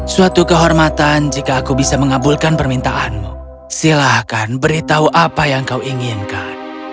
suatu kehormatan jika aku bisa mengabulkan permintaanmu silahkan beritahu apa yang kau inginkan